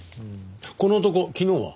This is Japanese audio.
この男昨日は？